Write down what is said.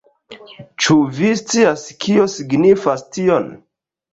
Ĉu vi scias kio signifas tion?